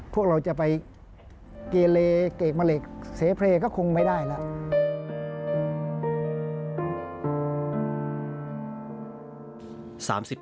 พวกเราจะไปเกเลเกรกเมล็กเสเพลย์ก็คงไม่ได้แล้ว